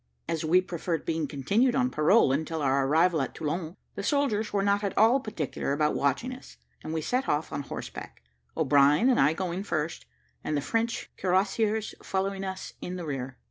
As we preferred being continued on parole until our arrival at Toulon, the soldiers were not at all particular about watching us: and we set off on horseback, O'Brien and I going first, and the French cuirassiers following us in the rear.